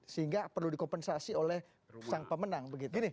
sehingga perlu dikompensasi oleh sang pemenang begitu